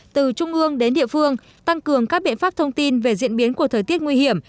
từ trung ương đến địa phương tăng cường các biện pháp thông tin về diễn biến của thời tiết nguy hiểm